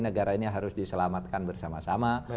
negara ini harus diselamatkan bersama sama